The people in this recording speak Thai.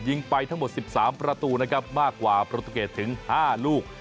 ไปทั้งหมด๑๓ประตูนะครับมากกว่าประตูเกตถึง๕ลูก